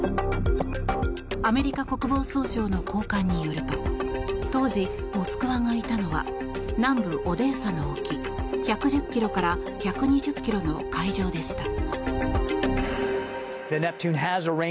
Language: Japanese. アメリカ国防総省の高官によると当時、「モスクワ」がいたのは南部オデーサの沖１１０ｋｍから１２０ｋｍの海上でした。